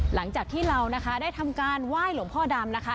หลังจากที่เรานะคะได้ทำการไหว้หลวงพ่อดำนะคะ